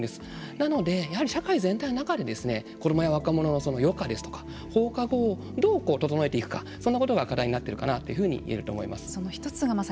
なのでやはり社会全体の中で子どもや若者の余暇ですとか放課後を余暇をどう整えていくかそれが課題になっているというふうに思います。